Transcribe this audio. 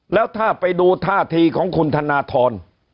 แล้วถ้าไปดูท่าทีของคุณธนทร